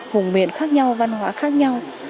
vùng miền khác nhau văn hóa khác nhau